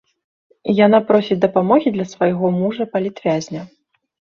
Яна просіць дапамогі для свайго мужа-палітвязня.